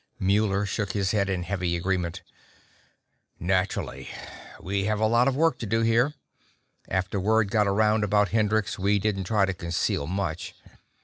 Muller shook his head in heavy agreement. "Naturally. We had a lot of work to do here. After word got around about Hendrix, we didn't try to conceal much.